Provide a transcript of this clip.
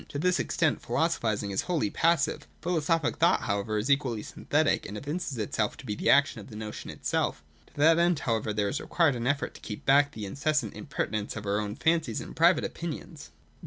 To this extent philosophising is wholly passive. Philosophic thought however is equally synthetic, and evinces itself to be the action of the notion itself. To that 238 241.J THE ABSOLUTE IDEA. ^11 end, however, there is required an effort to keep back the incessant impertinence of our own fancies and private opinions.